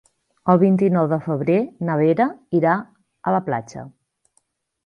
El vint-i-nou de febrer na Vera irà a la platja.